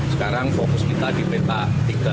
sekarang fokus kita di petak tiga puluh